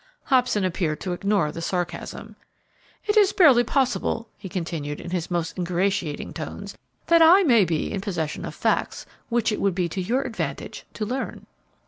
Hobson appeared to ignore the sarcasm. "It is barely possible," he continued, in his most ingratiating tones, "that I may be in possession of facts which it would be to your advantage to learn."